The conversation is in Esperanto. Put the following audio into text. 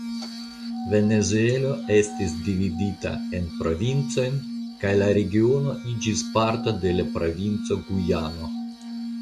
Venezuelo estis dividita en provincojn kaj la regiono iĝis parto de la provinco Gujano.